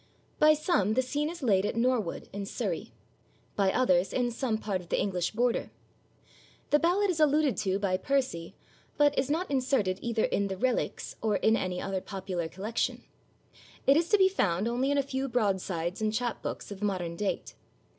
By some the scene is laid at Norwood, in Surrey; by others in some part of the English border. The ballad is alluded to by Percy, but is not inserted either in the Reliques, or in any other popular collection. It is to be found only in a few broadsides and chap books of modern date.